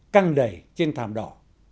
căng đầy trên thàm đỏ